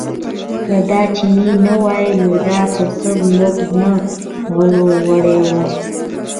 که دا چینی نه وای نو دا پسه موږ نه غلو وړی و.